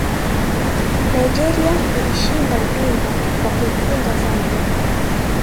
nigeria ilishinda ubingwa kwa kuifunga zambia